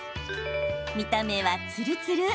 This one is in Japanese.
見た目は、つるつる。